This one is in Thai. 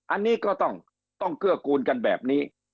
อันนี้ก็ต้องเกื้อกูลกันแบบนี้